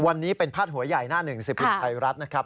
วันนี้เป็นพาดหัวใหญ่หน้าหนึ่งสิบพิมพ์ไทยรัฐนะครับ